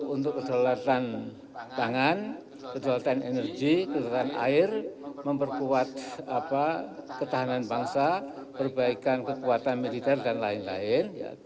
untuk kejualatan tangan kejualatan energi kejualatan air memperkuat ketahanan bangsa perbaikan kekuatan militer dan lain lain